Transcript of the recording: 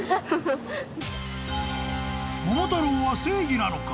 ［桃太郎は正義なのか？